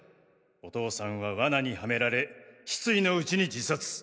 お父さんは罠にはめられ失意のうちに自殺。